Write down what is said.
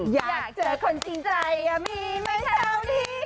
อยากเจอคนจริงใจมีไหมแถวนี้